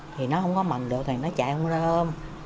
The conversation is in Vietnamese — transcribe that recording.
thì nó không có mừng được thì nó chạy không ra ôm